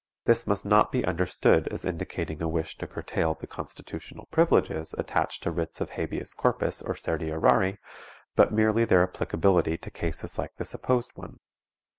This must not be understood as indicating a wish to curtail the constitutional privileges attached to writs of habeas corpus or certiorari, but merely their applicability to cases like the supposed one.